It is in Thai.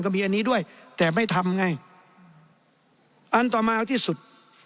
มีอันนี้ด้วยแต่ไม่ทำไงอันต่อมาที่สุด